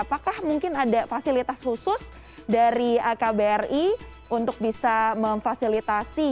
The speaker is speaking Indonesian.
apakah mungkin ada fasilitas khusus dari kbri untuk bisa memfasilitasi